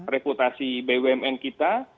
reputasi bumn kita